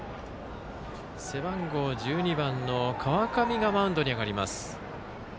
背番号１２番の川上がマウンドに上がります。